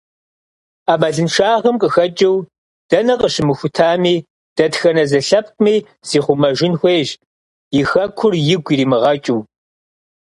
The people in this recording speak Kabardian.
Ӏэмалыншагъэм къыхэкӏыу, дэнэ къыщымыхутами, дэтхэнэ зы лъэпкъми зихъумэжын хуейщ, и Хэкур игу иримыгъэкӏыу.